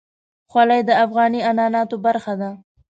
خولۍ د افغاني عنعناتو برخه ده.